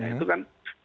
itu kan mengatakan